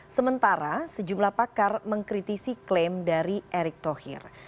sementara sejumlah pakar mengkritisi klaim dari erick thohir